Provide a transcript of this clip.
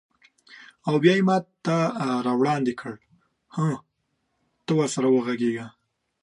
او بیا یې ماته راوړاندې کړ: هه، ته ورسره وغږیږه.